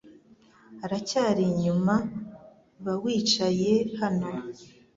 Aracyari inyuma ba wicaye hano .